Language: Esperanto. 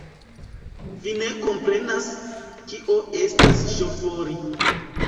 Vi ne komprenas, kio estas ŝofori.